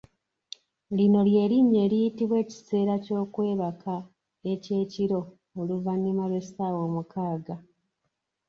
Lino ly'erinnya eriyitibwa ekiseera ky'okwebaka eky'ekiro oluvannyuma lw'essaawa omukaaga.